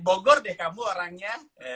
bogor deh kamu orangnya